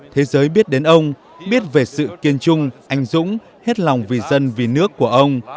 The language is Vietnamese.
thế giới biết đến ông biết về sự kiên trung anh dũng hết lòng vì dân vì nước của ông